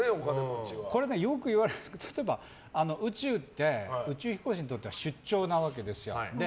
これはよく言われるけど例えば、宇宙って宇宙飛行士にとっては出張なわけですよ。